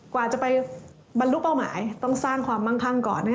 กว่าจะไปบรรลุเป้าหมายต้องสร้างความมั่งคั่งก่อน